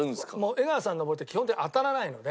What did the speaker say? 江川さんのボールって基本的に当たらないので。